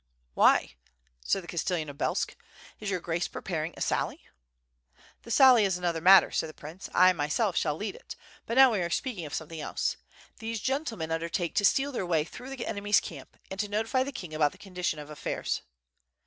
"Why," said the castellan of Belsk, "is your Grace prepar ing a sally?" "The sally is another matter," said the prince. "I myself shall lead it, but now we are speaking of something else. These gentlemen undertake to steal their way through the enemy's camp and to notify the king about the condition of affairs."